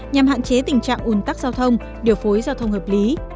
nhằm hạn chế tình trạng ủn tắc giao thông điều phối giao thông hợp lý